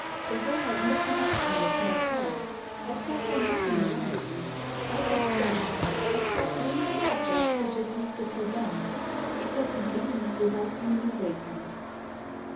The whole had no connexion with myself, I sought for nothing around me; I was them, I saw only the objects which existed for them; it was a dream, without being awakened."